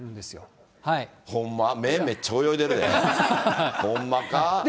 ほんま、目、めっちゃ泳いでるで。